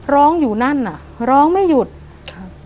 ร้องอยู่นั่นน่ะร้องไม่หยุดครับ